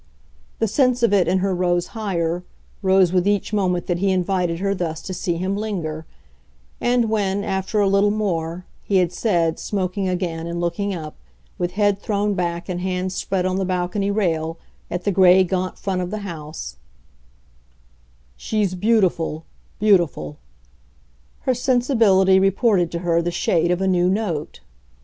The sense of it in her rose higher, rose with each moment that he invited her thus to see him linger; and when, after a little more, he had said, smoking again and looking up, with head thrown back and hands spread on the balcony rail, at the grey, gaunt front of the house, "She's beautiful, beautiful!" her sensibility reported to her the shade of a new note.